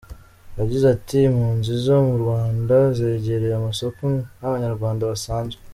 Yagize ati “Impunzi zo mu Rwanda, zegereye amasoko nk’Abanyarwanda basanzwe.